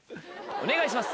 お願いします。